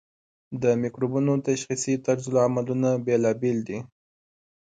د مکروبونو تشخیصي طرزالعملونه بیلابیل دي.